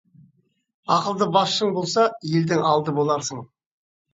Ақылды басшың болса, елдің алды боларсың.